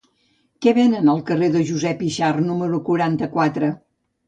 Què venen al carrer de Josep Yxart número quaranta-quatre?